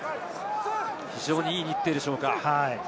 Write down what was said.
非常にいい日程でしょうか。